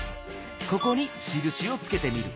ここにしるしをつけてみる。